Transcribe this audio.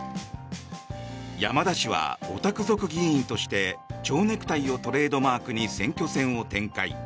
山田氏はオタク族議員として蝶ネクタイをトレードマークに選挙戦を展開。